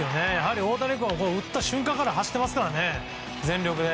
大谷君は打った瞬間から走っていますからね全力で。